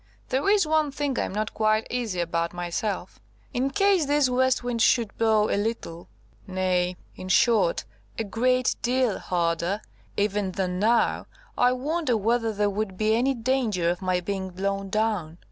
There is one thing I am not quite easy about myself ... In case this west wind should blow a little, nay, in short, a great deal harder, even than now, I wonder whether there would be any danger of my being blown down?